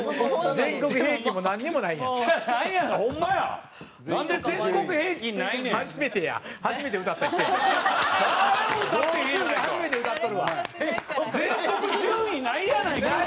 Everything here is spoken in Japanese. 全国順位ないやないかい！